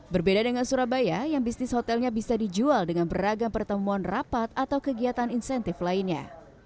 berbeda dengan surabaya yang bisnis hotelnya bisa dijual dengan beragam pertemuan rapat atau kegiatan insentif lainnya